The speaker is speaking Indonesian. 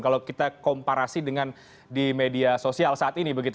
kalau kita komparasi dengan di media sosial saat ini